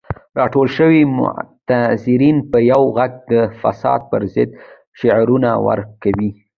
راټول شوي معترضین په یو غږ د فساد پر ضد شعارونه ورکوي.